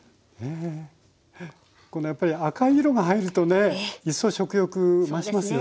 このやっぱり赤い色が入るとね一層食欲増しますよね。